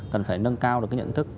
cần phải nâng cao được cái nhận thức